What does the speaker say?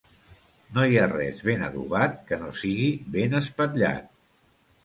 No hi ha res ben adobat que no sigui ben espatllat.